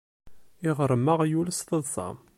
Iɣṛem aɣyul s teḍṣa.